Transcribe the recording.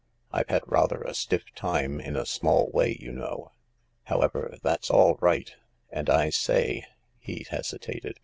I've had rather a stiff time, in a small way, you know. However, that's all right. And I say ..." he hesitated.